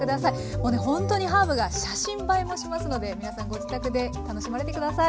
もうねほんとにハーブが写真映えもしますので皆さんご自宅で楽しまれて下さい。